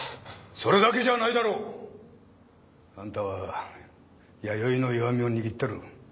それだけじゃないだろう！あんたは弥生の弱みも握っている。